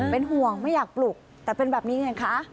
เป็นห่วงไม่อยากปลุกแต่เป็นแบบนี้ไงคะ